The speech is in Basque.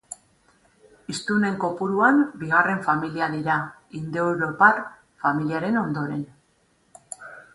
Hiztunen kopuruan bigarren familia dira, indoeuropar familiaren ondoren.